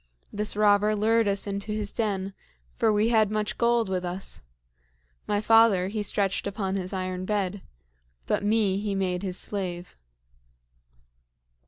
This robber lured us into his den, for we had much gold with us. My father, he stretched upon his iron bed; but me, he made his slave."